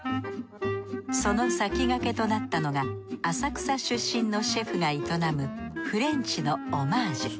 その先駆けとなったのが浅草出身のシェフが営むフレンチのオマージュ。